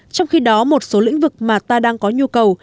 trong khi đó một số lĩnh vực mà ta đang có nhu cầu